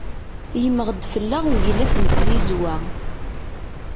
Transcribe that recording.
Yemmeɣ-d fell-aɣ uglaf n tzizwa.